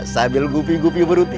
sambil gupi gupi beruti